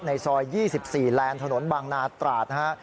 ในซอย๒๔แลนด์ถนนบางนาตราดนะฮะ